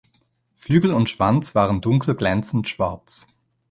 Flügel und Schwanz waren dunkel glänzend schwarz.